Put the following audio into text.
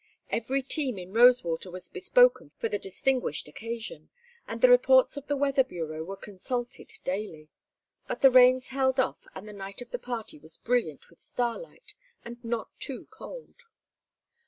Every team in Rosewater was bespoken for the distinguished occasion, and the reports of the weather bureau were consulted daily. But the rains held off and the night of the party was brilliant with starlight, and not too cold.